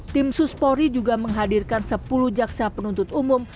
tim suspori juga menghadirkan sepuluh jaksa penuntut umum